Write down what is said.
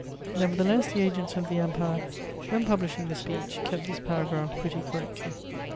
Nevertheless, the agents of the Empire, when publishing the speech, kept this paragraph pretty correctly.